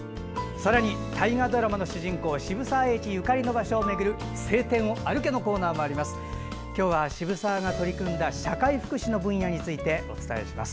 さらに大河ドラマの主人公渋沢栄一ゆかりの場所を巡る「青天を歩け！」のコーナーもあります。